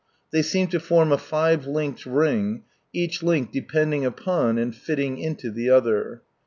They seem to form a five linked ring, each link depending upon, and fitting into the other.